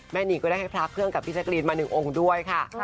นีก็ได้ให้พระเครื่องกับพี่แจ๊กรีนมา๑องค์ด้วยค่ะ